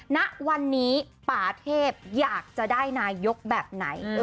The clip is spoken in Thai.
ณวันนี้ป่าเทพอยากจะได้นายกแบบไหน